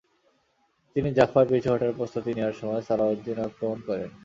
তিনি জাফায় পিছু হটার প্রস্তুতি নেয়ার সময় সালাহউদ্দিন আক্রমণ করেন।